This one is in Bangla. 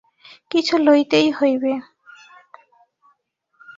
কিছু লইতেই হইবে।